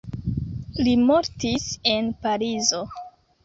Li mortis en Parizo.